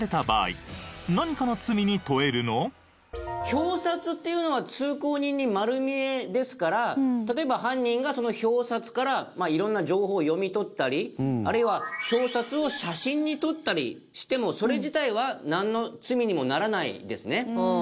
表札っていうのは通行人に丸見えですから例えば犯人がその表札から色んな情報を読み取ったりあるいは表札を写真に撮ったりしてもそれ自体はなんの罪にもならないですね。